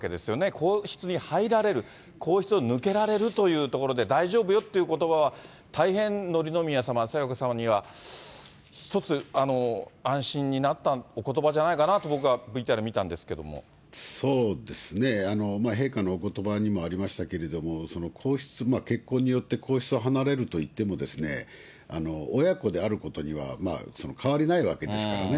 皇室に入られる、皇室を抜けられるというところで、大丈夫よっていうことばは、大変、紀宮さま、清子さまには、一つ、安心になったおことばじゃないかなと、そうですね、陛下のおことばにもありましたけれども、皇室、結婚によって皇室を離れるといってもですね、親子であることには変わりないわけですからね。